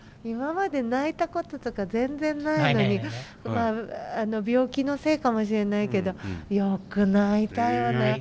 今まで泣いたこととか全然ないのにまあ病気のせいかもしれないけどよく泣いたよね。